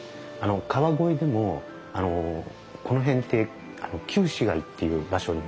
川越でもこの辺って旧市街っていう場所にあたるんですね。